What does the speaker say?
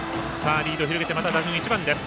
リードを広げてまた打順１番です。